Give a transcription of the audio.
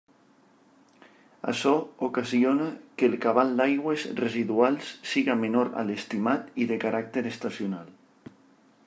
Açò ocasiona que el cabal d'aigües residuals siga menor a l'estimat i de caràcter estacional.